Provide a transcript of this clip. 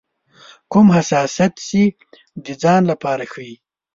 کوم حساسیت چې د ځان لپاره ښيي.